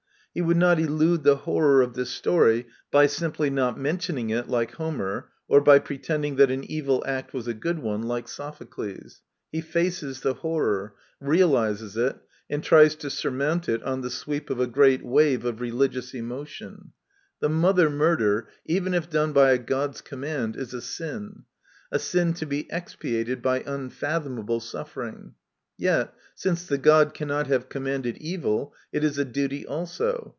He would not elude the horror of this story by simply not mentioning it, like Homer, or by pretending that an evil act was a good one, like Sophocles. He faces the horror ; realises it ; and tnes to surmount it on the sweep of a great wave of religious emotion. The mother murder, even if done by a god's command, is a sin ; a sin to be expiated by unfathomable suffering. Yet, since the god cannot have commanded evil, it is a duty also.